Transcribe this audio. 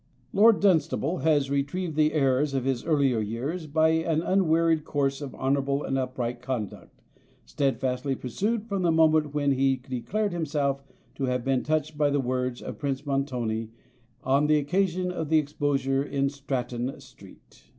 Lord Dunstable has retrieved the errors of his earlier years by an unwearied course of honourable and upright conduct, steadfastly pursued from the moment when he declared himself to have been touched by the words of the Prince of Montoni on the occasion of the exposure in Stratton Street.